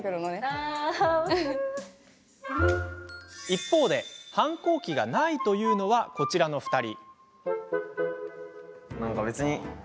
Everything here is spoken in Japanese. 一方で、反抗期がないというのはこちらの２人。